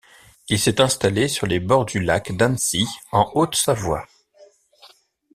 Il s'est installé sur les bords du lac d'Annecy, en Haute-Savoie.